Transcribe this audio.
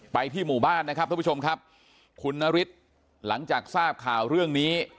ที่หมู่บ้านนะครับทุกผู้ชมครับคุณนฤทธิ์หลังจากทราบข่าวเรื่องนี้